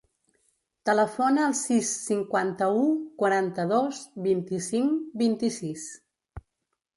Telefona al sis, cinquanta-u, quaranta-dos, vint-i-cinc, vint-i-sis.